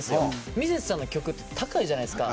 ミセスさんの曲って高いじゃないですか。